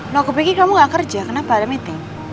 loh aku pikir kamu gak kerja kenapa ada meeting